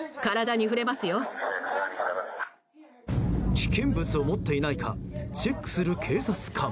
危険物を持っていないかチェックする警察官。